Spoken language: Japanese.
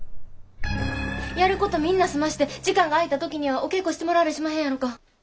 やることみんな済まして時間が空いた時にはお稽古してもらわれしまへんやろか。